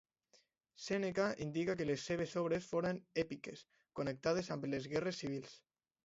Sèneca indica que les seves obres foren èpiques connectades amb les guerres civils.